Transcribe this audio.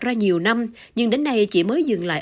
ra nhiều năm nhưng đến nay chỉ mới dừng lại